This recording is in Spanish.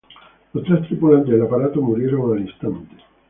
Los tres tripulantes del aparato murieron al instante.